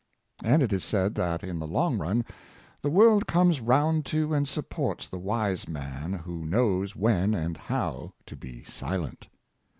And it is said that, in the long run, the world comes round to and supports the wise man who knows when and how to be silent.